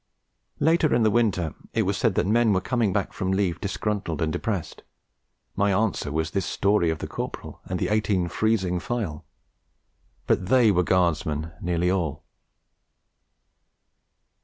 Later in the winter, it was said that men were coming back from leave disgruntled and depressed. My answer was this story of the Corporal and the eighteen freezing file. But they were Guardsmen nearly all.